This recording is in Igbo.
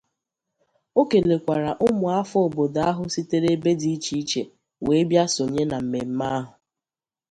O kelekwara ụmụafọ obodo ahụ sitere ebe dị icheiche wee bịa sonye na mmemme ahụ